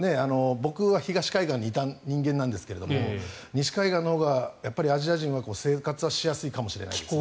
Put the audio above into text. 僕は東海岸にいたんですが西海岸のほうが日本人は生活しやすいかもしれないですね。